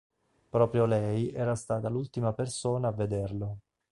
Proprio lei era stata l'ultima persona a vederlo.